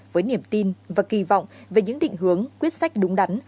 với niềm tin và kỳ vọng về những định hướng quyết sách đúng đắn